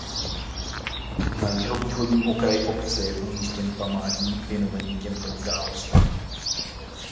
Na jihovýchodním okraji obce je umístěn památník věnovaný těmto událostem.